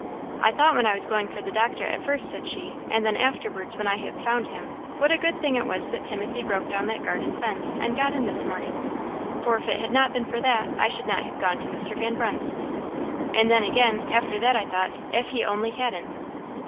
"I thought when I was going for the doctor, at first," said she, "and then afterwards when I had found him, what a good thing it was that Timothy broke down the garden fence and got in this morning; for if it had not been for that, I should not have gone to Mr. Van Brunt's and then again, after that I thought, if he only hadn't!"